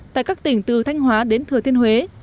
tại các tỉnh từ thanh hóa đến thừa thiên huế